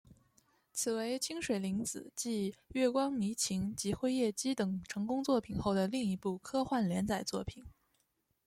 此为清水玲子继月光迷情及辉夜姬等成功作品后的另一部科幻连载作品。